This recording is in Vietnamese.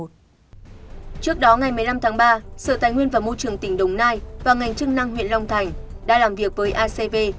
trước đó ngày một mươi năm tháng ba sở tài nguyên và môi trường tỉnh đồng nai và ngành chức năng huyện long thành đã làm việc với acv